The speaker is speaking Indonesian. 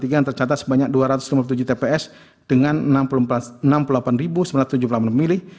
yang tercatat sebanyak dua ratus lima puluh tujuh tps dengan enam puluh delapan sembilan ratus tujuh puluh delapan pemilih